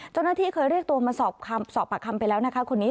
เจ้าหน้าที่เคยเรียกตัวมาสอบปากคำไปแล้วนะคะคนนี้